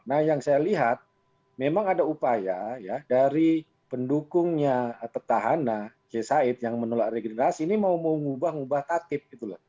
nah yang saya lihat memang ada upaya ya dari pendukungnya tetahana c said yang menolak regrindasi ini mau mengubah ubah tatib